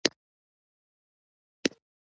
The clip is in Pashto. زه خوشحال یم